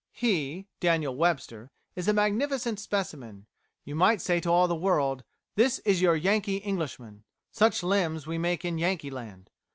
"He [Daniel Webster] is a magnificent specimen; you might say to all the world, 'This is your Yankee Englishman; such limbs we make in Yankeeland!